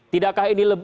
tidakkah ini lebih